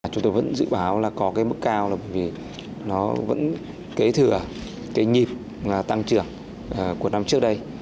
chúng tôi vẫn dự báo là có cái mức cao là bởi vì nó vẫn kế thừa cái nhịp tăng trưởng của năm trước đây